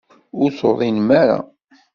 Ur tuḍinem ara.